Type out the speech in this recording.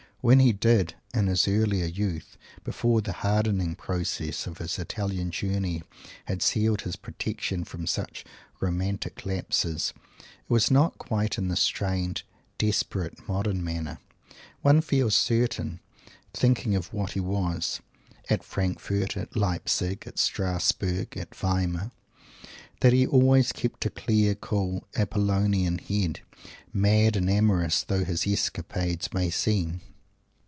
When he did in his earlier youth before the hardening process of his Italian Journey had sealed his protection from such romantic lapses it was not quite in the strained, desperate, modern manner. One feels certain, thinking of what he was, at Frankfurt, at Leipsig, at Strassburg, at Weimar, that he always kept a clear, cool, Apollonian head, mad and amorous though his escapades may seem!